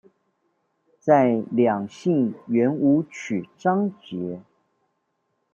在兩性圓舞曲章節